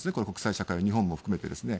国際社会、日本を含めて。